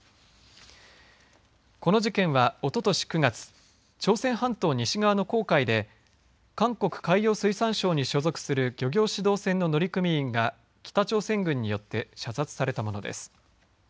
この事件は、おととし９月朝鮮半島西側の黄海で韓国海洋水産省に所属する漁業指導船の乗組員が北朝鮮軍によって射殺されたものです。